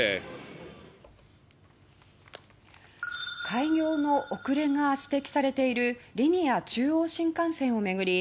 開業の遅れが指摘されているリニア中央新幹線を巡り